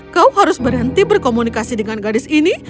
kau harus berhenti berkomunikasi dengan gadis ini